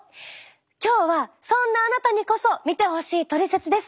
今日はそんなあなたにこそ見てほしい「トリセツ」です。